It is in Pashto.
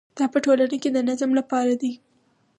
دا په ټولنه کې د نظم لپاره دی.